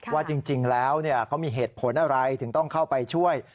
ว่าจริงแล้วเขามีเหตุผลอะไรถึงต้องเข้าไปช่วย